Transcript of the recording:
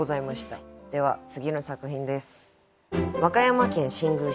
では次の作品です。